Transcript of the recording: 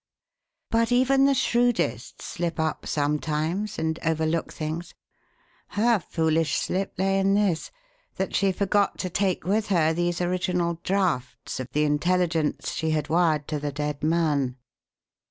"But even the shrewdest slip up sometimes and overlook things. Her foolish slip lay in this: that she forgot to take with her these original drafts of the intelligence she had wired to the dead man."